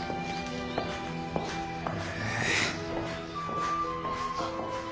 へえ。